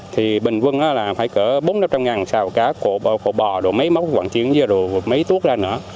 thì bình quân là phải cỡ bốn trăm linh xào cá cổ bò mấy móc quảng chiến mấy tuốt ra nữa